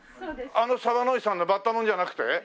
あの澤乃井さんのバッタもんじゃなくて？